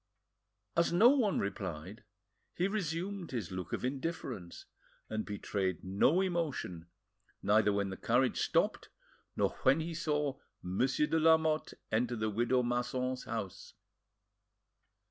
As no one replied, he resumed his look of indifference, and betrayed no emotion, neither when the carriage stopped nor when he saw Monsieur de Lamotte enter the widow Masson's house.